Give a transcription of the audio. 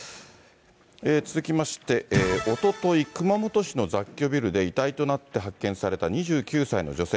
続きまして、おととい、熊本市の雑居ビルで遺体となって発見された２９歳の女性。